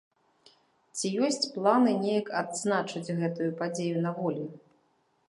Ці ёсць планы неяк адзначыць гэтую падзею на волі?